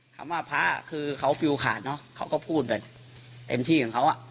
คำว่าพระคือเขาฟิลขาดเนอะเขาก็พูดแบบเต็มที่ของเขาอ่ะ